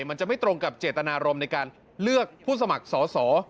มันจะไม่ตรงกับเจตนารมณ์ในการเลือกผู้สมัครสอสอ